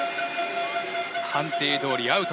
判定どおりアウト。